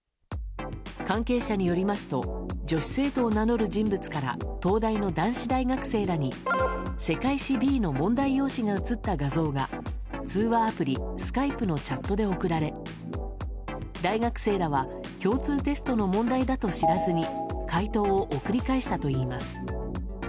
関係者によりますと女子生徒を名乗る人物から東大の男子大学生らに世界史Ｂの問題用紙が写った画像が通話アプリ・スカイプのチャットで送られ大学生らは共通テストの問題だと知らずに解答を送り返したといいます。